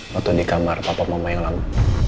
waktu di kamar papa mama yang lama